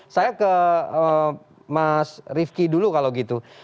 saya ke mas rifki dulu kalau gitu